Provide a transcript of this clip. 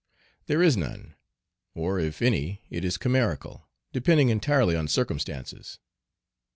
There is none, or if any it is chimerical, depending entirely on circumstances.